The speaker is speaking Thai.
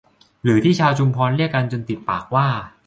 หรือที่ชาวชุมพรเรียกกันจนติดปากว่า